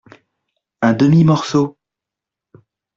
Un demi-morceau.